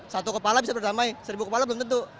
satu kepala bisa berdamai seribu kepala belum tentu